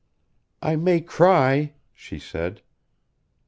"I may cry," she said.